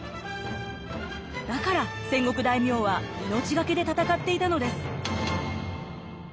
だから戦国大名は命懸けで戦っていたのです。